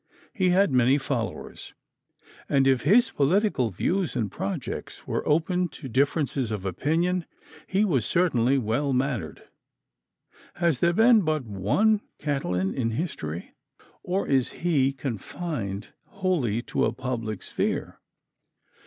He had many followers, and if his political views and projects were open to differences of opinion, he was certainly well mannered. Has there been but one Catiline in history? Or is he confined wholly to a public sphere?